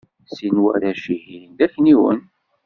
Sin n warrac-ihin d akniwen.